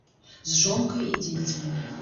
З жонкай і дзецьмі.